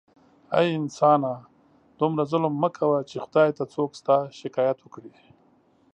اې انسانه دومره ظلم مه کوه چې خدای ته څوک ستا شکایت وکړي